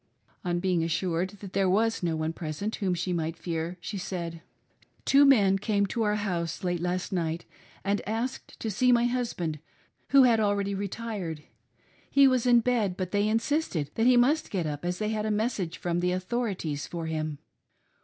_ On being assured that there was no one present whom she might fear, she said :—' Two men came to our house late last night and asked to see my husband, who had already retired. He was in bed, but they insisted that he must get up as they had a message from "the authorities" for him.